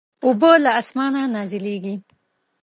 اوبه له اسمانه نازلېږي.